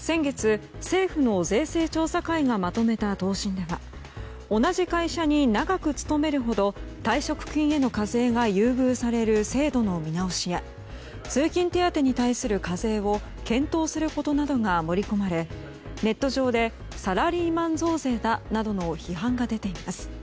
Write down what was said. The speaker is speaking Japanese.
先月、政府の税制調査会がまとめた答申では同じ会社に長く勤めるほど退職金への課税が優遇される制度の見直しや通勤手当に対する課税を検討することなどが盛り込まれネット上でサラリーマン増税だなどの批判が出ています。